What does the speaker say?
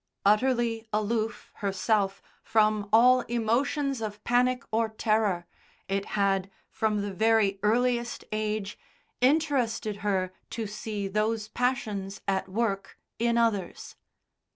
Utterly aloof, herself, from all emotions of panic or terror, it had, from the very earliest age, interested her to see those passions at work in others.